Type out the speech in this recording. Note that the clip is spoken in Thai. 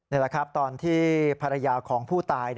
นี่แหละครับตอนที่ภรรยาของผู้ตาย